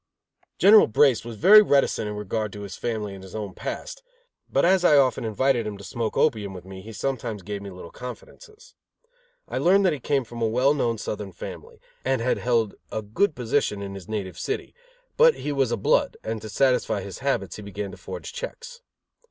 General Brace was very reticent in regard to his family and his own past, but as I often invited him to smoke opium with me, he sometimes gave me little confidences. I learned that he came from a well known Southern family, and had held a good position in his native city; but he was a blood, and to satisfy his habits he began to forge checks.